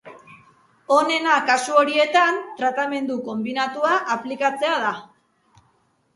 Onena kasu horietan tratamendu konbinatua aplikatzea da.